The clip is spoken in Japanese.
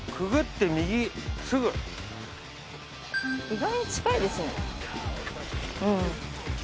意外に近いですね。